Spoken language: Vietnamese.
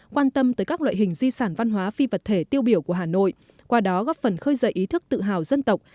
quan tâm tới các loại hình di sản văn hóa phi vật thể tiêu biểu của hà nội qua đó góp phần khơi dậy ý thức tự hào dân tộc